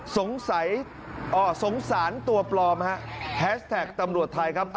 สงสารตัวปลอมแฮชแท็กตำรวจไทยครับ